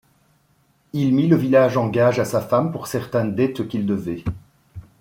Il mit le village en gage à sa femme pour certaines dettes qu'il devait.